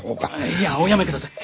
いやおやめください。